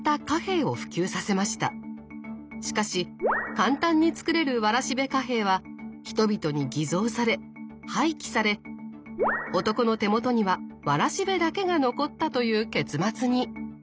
しかし簡単に作れるわらしべ貨幣は人々に偽造され廃棄され男の手元にはわらしべだけが残ったという結末に。